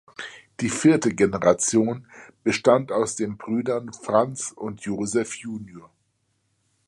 Die vierte Generation bestand aus den Brüdern Franz und Joseph jun.